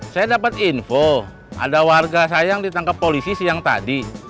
saya dapat info ada warga saya yang ditangkap polisi siang tadi